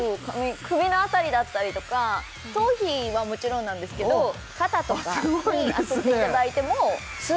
首の辺りだったりとか頭皮はもちろんなんですけど肩とかに当てていただいてもすごいですね